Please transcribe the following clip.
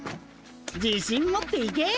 自信持っていけ！